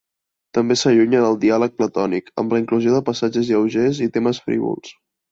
També s'allunya del diàleg platònic amb la inclusió de passatges lleugers i temes frívols.